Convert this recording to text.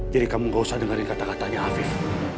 jadi kamu gak usah dengerin kata katanya afif